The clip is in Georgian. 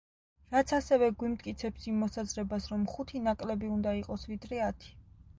რაც ასევე გვიმტკიცებს იმ მოსაზრებას, რომ ხუთი ნაკლები უნდა იყოს, ვიდრე ათი.